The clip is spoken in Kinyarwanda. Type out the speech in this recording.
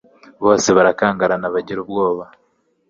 Bose barakangarana bagira ubwoba.